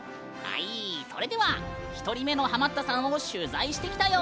はいそれでは１人目のハマったさんを取材してきたよ。